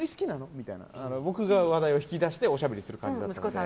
みたいな僕が話題を引き出しておしゃべりする感じだったので。